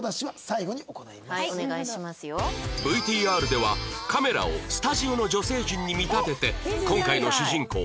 ＶＴＲ ではカメラをスタジオの女性陣に見立てて今回の主人公